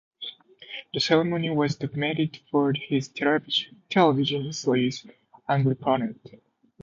The ceremony was documented for his television series "Angry Planet".